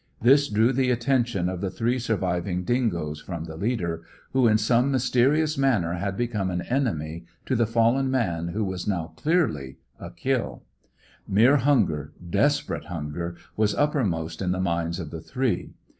This drew the attention of the three surviving dingoes from the leader, who in some mysterious manner had become an enemy, to the fallen man who was now, clearly, a kill. Mere hunger, desperate hunger, was uppermost in the minds of the three.